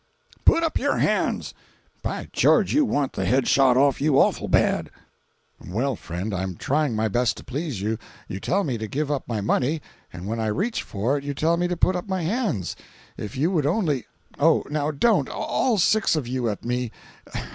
Put up your hands! By George, you want the head shot off you awful bad!" "Well, friend, I'm trying my best to please you. You tell me to give up my money, and when I reach for it you tell me to put up my hands. If you would only—. Oh, now—don't! All six of you at me!